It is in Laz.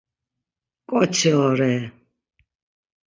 ǩoçi ore!.